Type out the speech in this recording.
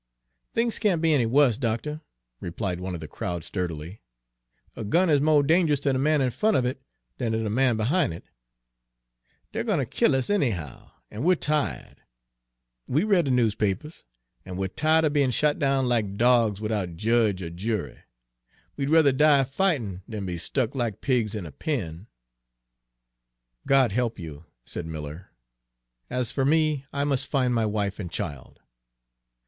"Things can't be any wuss, doctuh," replied one of the crowd sturdily. "A gun is mo' dange'ous ter de man in front of it dan ter de man behin' it. Dey're gwine ter kill us anyhow; an' we're tired, we read de newspapers, an' we're tired er bein' shot down like dogs, widout jedge er jury. We'd ruther die fightin' dan be stuck like pigs in a pen!" "God help you!" said Miller. "As for me, I must find my wife and child."